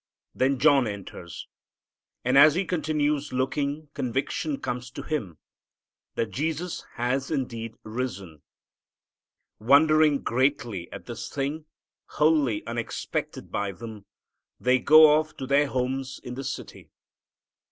Then John enters, and as he continues looking conviction comes to him that Jesus has indeed risen. Wondering greatly at this thing, wholly unexpected by them, they go off to their homes in the city.